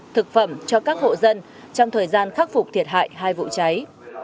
thực phẩm cho các hộ dân trong thời gian khắc phục thiệt hại hai vụ cháy